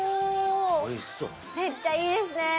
めっちゃいいですね。